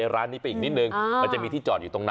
ร้านนี้ไปอีกนิดนึงมันจะมีที่จอดอยู่ตรงนั้น